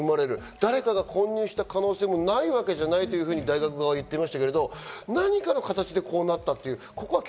誰かが混入した可能性もないわけじゃないというふうに大学側は言ってましたけど、何かの形でこうなったということもある。